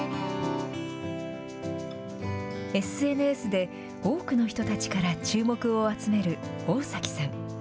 ＳＮＳで多くの人たちから注目を集める大崎さん。